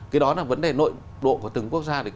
cái đó là vấn đề nội độ của từng quốc gia